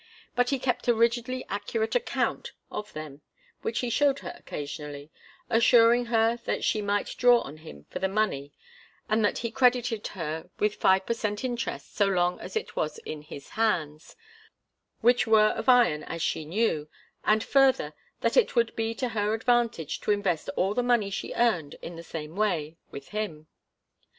But he kept a rigidly accurate account of them, which he showed her occasionally, assuring her that she 'might draw on him' for the money, and that he credited her with five per cent interest so long as it was 'in his hands' which were of iron, as she knew and further, that it would be to her advantage to invest all the money she earned in the same way, with him.